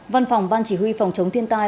văn phòng ban chỉ huy phòng chống thiên tai